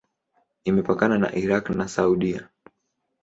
Imepakana na Irak na Saudia.